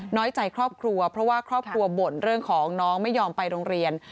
น้อยใจครอบครัวเพราะว่าครอบครัวบ่นเรื่องของน้องไม่ยอมไปโรงเรียน